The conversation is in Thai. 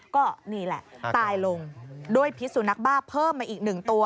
ก็นี่แหละตายลงด้วยพิษสุนัขบ้าเพิ่มมาอีกหนึ่งตัว